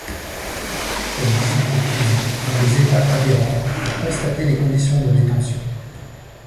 Elle visite les prisons dans les États adhérents pour constater les conditions de détention.